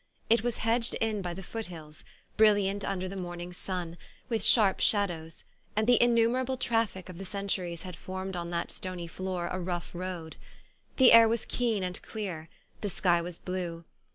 It was hedged in by the foothills brilliant under the morning sun, with sharp shadows ; and the innumerable traffic of the centuries had formed on that stony floor a rough road. The air was keen and clear, the sky was blue.